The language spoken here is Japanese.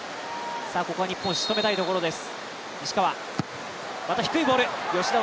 ここは日本、仕留めたいところです